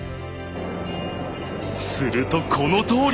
するとこのとおり。